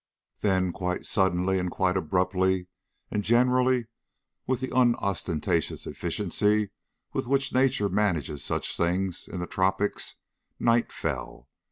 Then, quite suddenly and quite abruptly, and generally with the unostentatious efficiency with which Nature manages such things in the tropics, night fell.